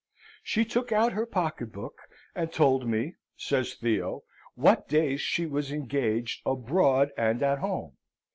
"She took out her pocket book, and told me," says Theo, "what days she was engaged abroad and at home.